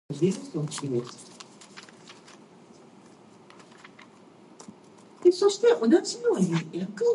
Typically, the air is generated by some type of blower or compressor.